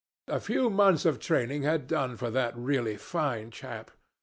A few months of training had done for that really fine chap.